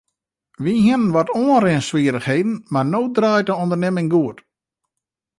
Wy hiene wat oanrinswierrichheden mar no draait de ûndernimming goed.